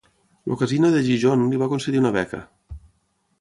El Casino de Gijón li va concedir una beca.